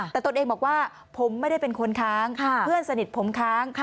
แต่ตนเองบอกว่าผมไม่ได้เป็นคนค้างเพื่อนสนิทผมค้าง